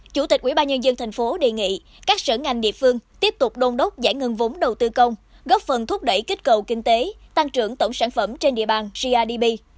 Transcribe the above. chủ tịch quỹ ba nhân dân thành phố đề nghị các sở ngành địa phương tiếp tục đôn đốc giải ngân vốn đầu tư công góp phần thúc đẩy kích cầu kinh tế tăng trưởng tổng sản phẩm trên địa bàn grdp